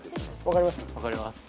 分かります？